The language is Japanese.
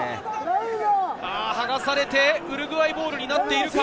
はがされて、ウルグアイボールになっているか。